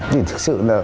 thì thực sự là